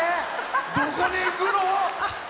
どこに行くの！